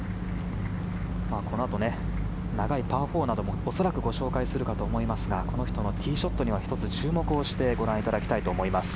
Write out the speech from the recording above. このあと、長いパー４なども恐らくご紹介すると思いますがこの人のティーショットには１つ、注目をしてご覧いただきたいと思います。